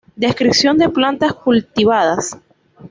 Descripción de plantas cultivadas.